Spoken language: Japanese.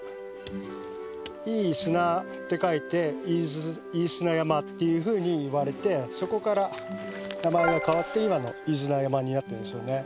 「いいすな」って書いて飯砂山っていうふうにいわれてそこから名前が変わって今の飯縄山になってるんですよね。